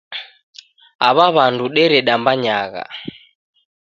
Aw'a w'andu deredambanyagha